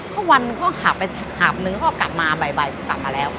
ก็วันก็ขาบไปหาบนึงก็กลับมาบ่ายกลับมาแล้ว